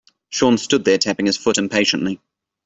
Sean stood there tapping his foot impatiently.